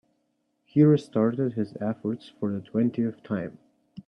He restarted his efforts for the twentieth time.